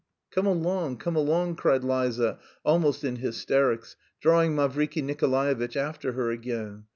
"Come along, come along!" cried Liza, almost in hysterics, drawing Mavriky Nikolaevitch after her again.